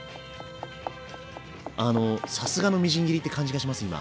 あのさすがのみじん切りって感じがします今。